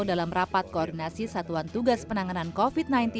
dalam rapat koordinasi satuan tugas penanganan covid sembilan belas